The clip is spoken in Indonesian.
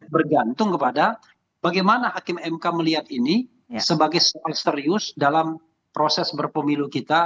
bergantung kepada bagaimana hakim mk melihat ini sebagai soal serius dalam proses berpemilu kita